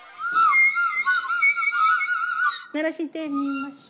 鳴らしてみましょ。